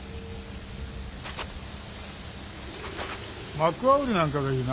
マクワウリなんかがいいな。